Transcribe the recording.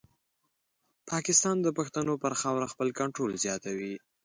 پاکستان د پښتنو پر خاوره خپل کنټرول زیاتوي.